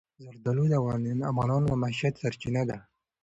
زردالو د افغانانو د معیشت سرچینه ده.